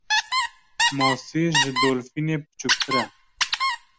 Masî ji dolfînê biçûktir e.